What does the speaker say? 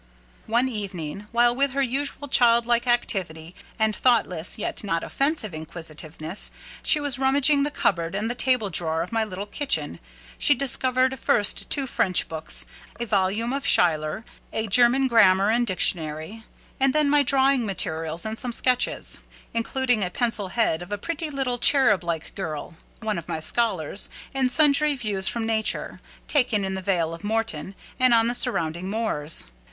One evening, while, with her usual child like activity, and thoughtless yet not offensive inquisitiveness, she was rummaging the cupboard and the table drawer of my little kitchen, she discovered first two French books, a volume of Schiller, a German grammar and dictionary, and then my drawing materials and some sketches, including a pencil head of a pretty little cherub like girl, one of my scholars, and sundry views from nature, taken in the Vale of Morton and on the surrounding moors.